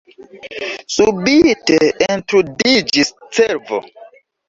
Subite entrudiĝis cervo.